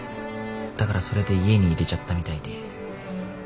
だからそれで家に入れちゃったみたいで。